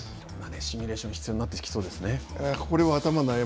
シミュレーションが必要になってきそうですね。